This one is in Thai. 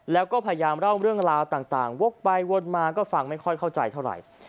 แล้วก็พยายามเล่าเรื่องราวต่างวกไปวนมาก็ฟังไม่ค่อยเข้าใจเท่าไหร่